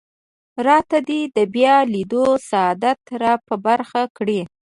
راته دې د بیا لیدو سعادت را په برخه کړي.